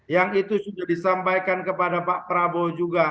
yang bisa disampaikan kepada pak prabowo juga